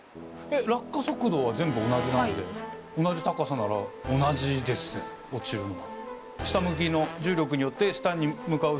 落下速度は全部同じなんで同じ高さなら同じでっせ落ちるのは。